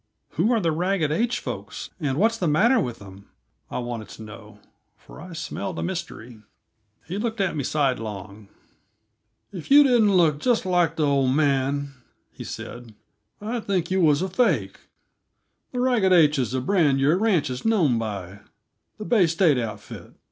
"Who are the Ragged H folks, and what's the matter with them?" I wanted to know for I smelled a mystery. He looked at me sidelong. "If you didn't look just like the old man," he said, "I'd think yuh were a fake; the Ragged H is the brand your ranch is known by the Bay State outfit.